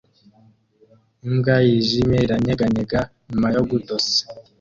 Imbwa yijimye iranyeganyega nyuma yo gutose